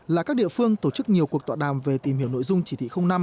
là các địa phương tổ chức nhiều cuộc tọa đàm về tìm hiểu nội dung chỉ thị năm